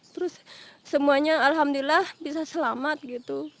terus semuanya alhamdulillah bisa selamat gitu